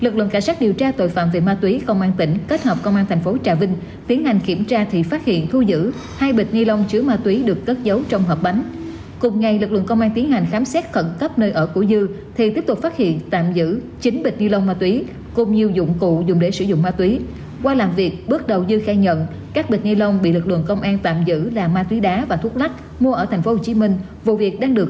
cơ quan cảnh sát điều tra công an thành phố trà vinh đã tiến hành lấy mẫu xét nghiệm vi sinh và lập biên bản niêm phong toàn bộ lô hàng trên để xác minh củng cố hồ sơ xử lý theo quy định pháp luật